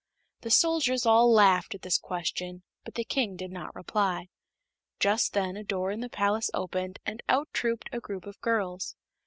The soldiers all laughed at this question, but the King did not reply. Just then a door in the palace opened and out trooped a group of girls.